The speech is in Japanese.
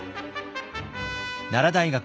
奈良大学